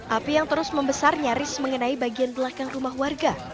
api yang terus membesar nyaris mengenai bagian belakang rumah warga